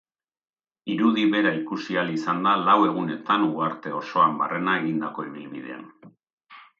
Irudi bera ikusi ahal izan da lau egunetan uharte osoan barrena egindako ibilbidean.